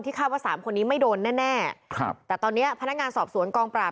คาดว่าสามคนนี้ไม่โดนแน่แน่ครับแต่ตอนนี้พนักงานสอบสวนกองปราบ